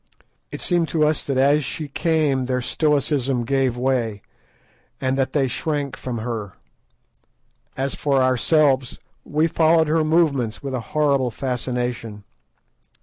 It seemed to us that as she came their stoicism gave way, and that they shrank from her. As for ourselves, we followed her movements with a horrible fascination.